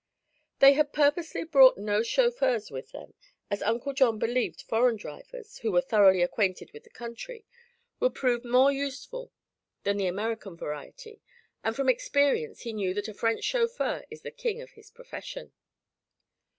They had purposely brought no chauffeurs with them, as Uncle John believed foreign drivers, who were thoroughly acquainted with the country, would prove more useful than the American variety, and from experience he knew that a French chauffeur is the king of his profession.